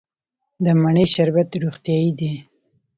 د مڼې شربت روغتیایی دی.